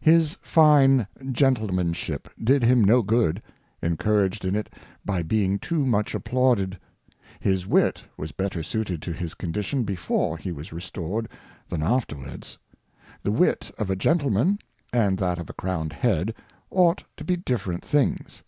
His fine Gentlemanship did him no Good, encouraged in it by being too much applauded. His Wit was better suited to his Condition before he was restored than afterwards. The Wit of a Gentleman, and that of a crowned Head, ought to be different things.